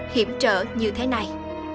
hiểm trở như thế này